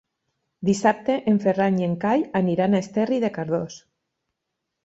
Dissabte en Ferran i en Cai aniran a Esterri de Cardós.